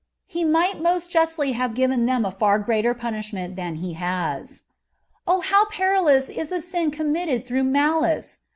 He might most justly have given them a fer greater punish ment than He has. O how perilous is a sin committed through ma lico